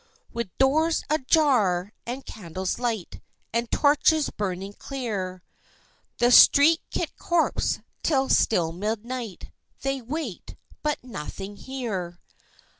With doors ajar, and candles light, And torches burning clear, The streekit corpse, till still midnight, They waked, but naething hear.